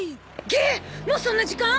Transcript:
げっもうそんな時間？